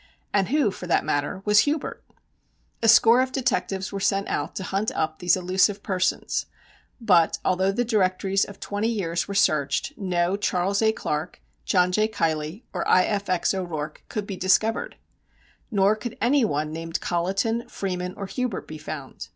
And who, for that matter, was Hubert? A score of detectives were sent out to hunt up these elusive persons, but, although the directories of twenty years were searched, no Charles A. Clark, John J. Keilly or I. F. X. O'Rourke could be discovered. Nor could any one named Colliton, Freeman or Hubert be found.